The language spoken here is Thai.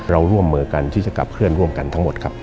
ร่วมมือกันที่จะกลับเคลื่อนร่วมกันทั้งหมดครับ